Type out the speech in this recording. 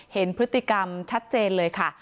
เห็นพฤติกรรมชัดเจนเลยค่ะ